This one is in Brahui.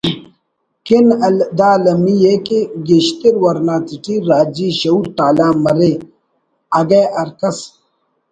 کن دا المی ءِ کہ گیشتر ورنا تیٹی راجی شعور تالان مرے اگہ ہر کس